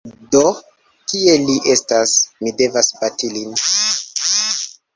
Do, kie li estas; mi devas bati lin